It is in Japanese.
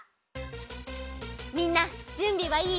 みんなじゅんびはいい？